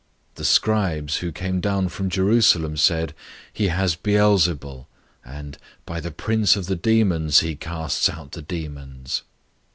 003:022 The scribes who came down from Jerusalem said, "He has Beelzebul," and, "By the prince of the demons he casts out the demons."